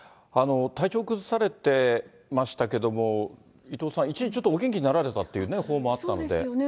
体調を崩されてましたけども、伊藤さん、一時ちょっと、お元気になられたっていう報もあったので。